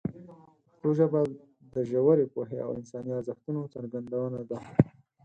پښتو ژبه د ژورې پوهې او انساني ارزښتونو څرګندونه ده.